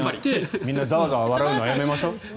みんなざわざわ笑うのはやめましょう。